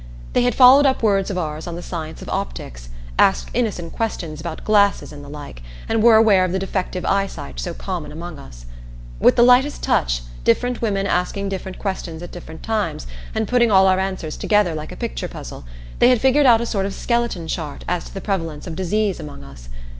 They had followed up words of ours on the science of optics, asked innocent questions about glasses and the like, and were aware of the defective eyesight so common among us. With the lightest touch, different women asking different questions at different times, and putting all our answers together like a picture puzzle, they had figured out a sort of skeleton chart as to the prevalence of disease among us.